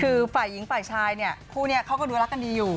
คือฝ่ายหญิงฝ่ายชายเนี่ยคู่นี้เขาก็ดูรักกันดีอยู่